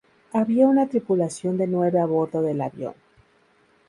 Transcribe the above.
Había una tripulación de nueve a bordo del avión.